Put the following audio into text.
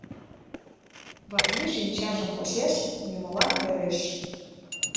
Васлий шинчажым почеш, нимолан ӧреш.